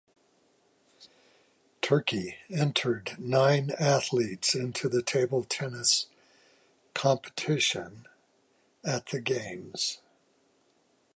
Turkey entered nine athletes into the table tennis competition at the games.